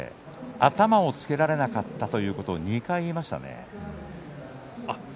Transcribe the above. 頭をつけられなかったということを２回言いましたね。